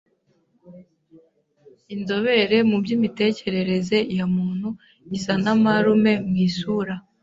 Inzobere mu by'imitekerereze ya muntu isa na marume mu isura.